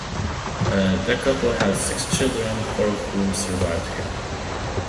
The couple had six children, four of whom survived him.